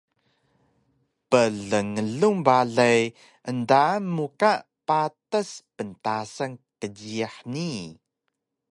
Plnglung balay endaan mu ka patas bntasan kdjiyax nii